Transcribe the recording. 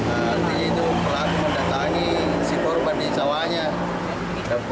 nanti itu pelaku mendatangi si korban di sawahnya